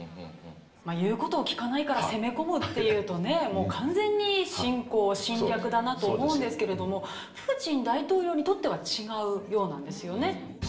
言う事を聞かないから攻め込むっていうとねもう完全に侵攻・侵略だなと思うんですけれどもプーチン大統領にとっては違うようなんですよね。